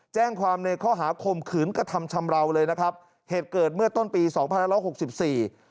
แจ้งความในข้อหาคมขืนกระทำชำราวเลยนะครับเหตุเกิดเมื่อต้นปีสองพันห้าร้อยหกสิบสี่